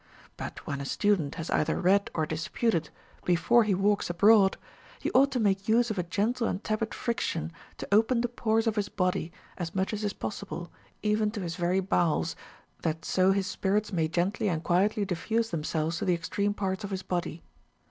But when a student has either read or disputed, before he walks abroad, he ought to make use of a gentle and tepid friction, to open the pores of his body, as much as is possible, even to his very bowels, that so his spirits may gently and quietly diffuse themselves to the extreme parts of his body.